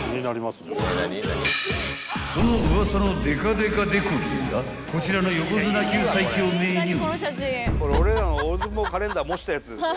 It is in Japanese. ［そのウワサのデカデカデコリンがこちらの横綱級最強メニュー］